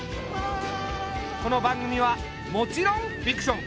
この番組はもちろんフィクション。